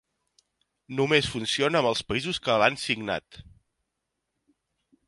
Només funciona amb els països que l'han signat.